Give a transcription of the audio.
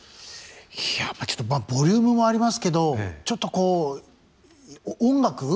いやちょっとボリュームもありますけどちょっとこう音楽。